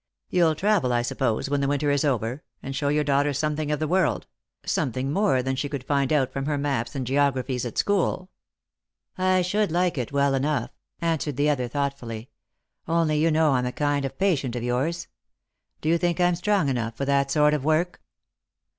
You'll travel, I suppose, when the winter is over, and show your daughter some thing of the world — something more than she could find out from her maps and geographies at school. " I should like it well enough," answered the other thought fully ;" only you know I'm a kind of patient of yours. Do you think I'm strong enough for that sort of work?